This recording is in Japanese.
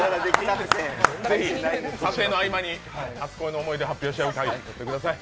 ぜひ、撮影の合間に初恋の思い出発表し合ってください。